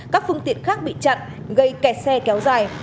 các phương tiện khác bị chặn gây kẹt xe kéo dài